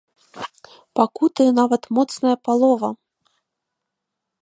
Пакутуе нават моцная палова!